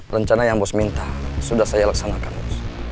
rencana yang bos minta sudah saya laksanakan bos